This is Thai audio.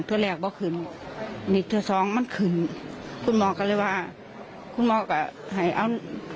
ตัวแรกบอกขึ้นนิดที่สองมันขึ้นคุณหมอก็เลยว่าคุณหมอก็ให้เอา